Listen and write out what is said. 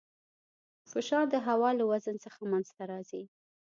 فشار د هوا له وزن څخه منځته راځي.